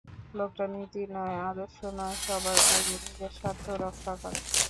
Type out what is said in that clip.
লোকটা নীতি নয়, আদর্শ নয়, সবার আগে নিজের স্বার্থ রক্ষা করে।